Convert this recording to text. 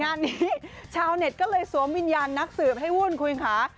งานนี้ชาวเน็ตก็เลยสวมวิญญาณนักสืบให้วุ่นคุณค่ะ